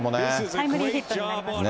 タイムリーヒットになりましたね。